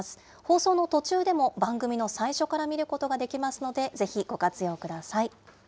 放送の途中でも番組の最初から見ることができますので、ぜひご活用ください。